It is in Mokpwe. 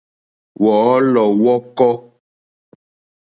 Wɔ̀ɔ́lɔ̀ wɔ̀kɔ́.